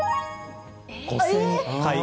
５０００回。